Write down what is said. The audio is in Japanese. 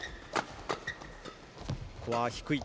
ここは低い。